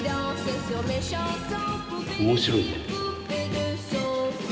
面白いね。